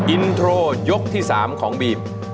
อินโทรยกที่๓ของบีม